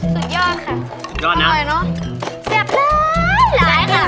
สุดยอดค่ะสุดยอดนะอร่อยเนาะ